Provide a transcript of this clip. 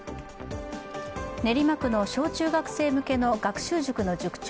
練馬区の小中学生向けの学習塾の塾長